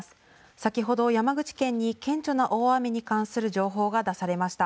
先ほど山口県に顕著な大雨に関する情報が出されました。